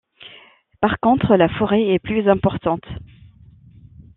Par contre, la forêt est plus importante.